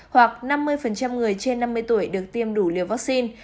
hoặc năm mươi người trên năm mươi tuổi được tiêm đủ liều vaccine